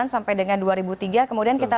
sampai dengan dua ribu tiga kemudian kita